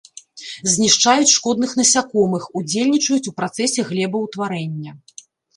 Знішчаюць шкодных насякомых, удзельнічаюць у працэсе глебаўтварэння.